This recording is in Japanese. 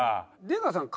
出川さん